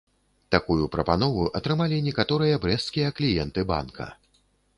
Такую прапанову атрымалі некаторыя брэсцкія кліенты банка.